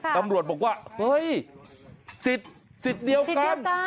ตำรวจบอกว่าเฮ้ยสิทธิ์สิทธิ์เดียวกัน